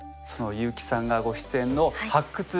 その優木さんがご出演の「発掘！